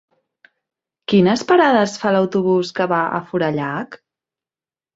Quines parades fa l'autobús que va a Forallac?